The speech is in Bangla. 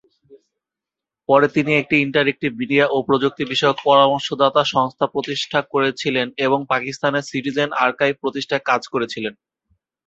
পরে তিনি একটি ইন্টারেক্টিভ মিডিয়া ও প্রযুক্তি বিষয়ক পরামর্শদাতা সংস্থা প্রতিষ্ঠা করেছিলেন এবং পাকিস্তানের সিটিজেন আর্কাইভ প্রতিষ্ঠায় কাজ করেছিলেন।